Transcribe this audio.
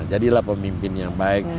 jadilah pemimpin yang baik